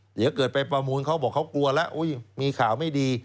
เดี๋ยวเกิดไปประมูลเขาบอกเขากลัวแล้วมีข่าวไม่ดี